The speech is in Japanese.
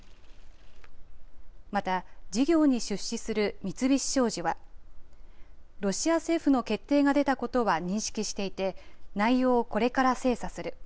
また、事業に出資する三菱商事は、ロシア政府の決定が出たことは認識していて、内容をこれから精査する。